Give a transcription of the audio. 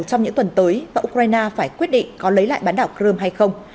trong những tuần tới và ukraine phải quyết định có lấy lại bán đảo crime hay không